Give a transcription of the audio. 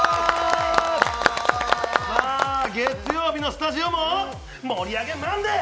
月曜日のスタジオも盛り上げマンデー！